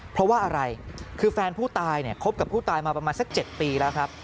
เพราะว่าอะไรคือแฟนผู้ตายเนี่ยคบกับผู้ตายมาประมาณสัก๗ปีแล้วครับ